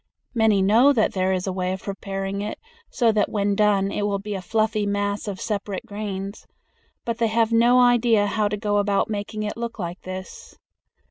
Many know that there is a way of preparing it so that when done it will be a fluffy mass of separate grains, but they have no idea how to go about making it look like this.